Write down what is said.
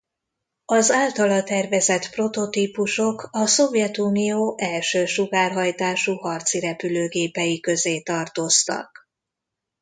Az általa tervezett prototípusok a Szovjetunió első sugárhajtású harci repülőgépei közé tartoztak.